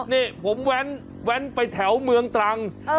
นี่ผมแว้นไปแถวเมืองตรัง